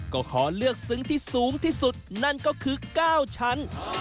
ก็ขอเลือกซึ้งที่สูงที่สุดนั่นก็คือ๙ชั้น